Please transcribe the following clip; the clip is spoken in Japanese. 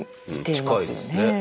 近いですね。